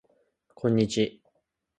こんにち